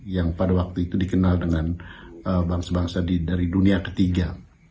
yang pada waktu itu dikenal dengan bangsa bangsa dari dunia ketiga